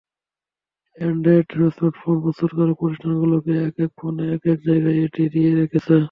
Android smartphone প্রস্তুতকারক প্রতিষ্ঠানগুলো একেক ফোনে একেক জায়গায় এটি দিয়ে রেখেছে।